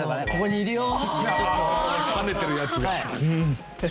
跳ねてるやつ？